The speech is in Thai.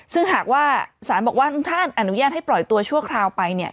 ซึ่งหากว่าสารบอกว่าท่านอนุญาตให้ปล่อยตัวชั่วคราวไปเนี่ย